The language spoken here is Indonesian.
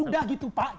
udah gitu pak gitu